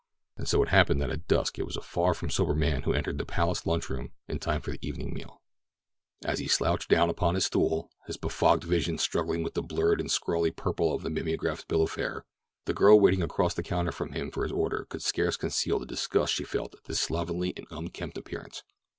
And so it happened that at dusk it was a far from sober man who entered the Palace Lunch Room in time for the evening meal. As he sat slouched down upon his stool, his befogged vision struggling with the blurred and scrawly purple of the mimeographed bill of fare, the girl waiting across the counter from him for his order could scarce conceal the disgust she felt at his slovenly and unkempt appearance.